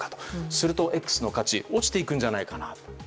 すると「Ｘ」の価値は落ちていくんじゃないかなと。